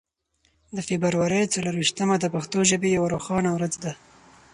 د فبرورۍ څلور ویشتمه د پښتو ژبې یوه روښانه ورځ ده.